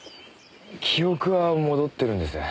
記憶は戻ってるんです。